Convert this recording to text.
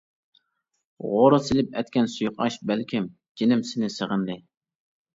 غورا سېلىپ ئەتكەن سۇيۇقئاش بەلكىم جېنىم، سېنى سېغىندى.